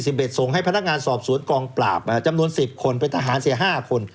ส่งให้พนักงานสอบสวนกองปราบจำนวน๑๐คนเป็นทหาร๕คน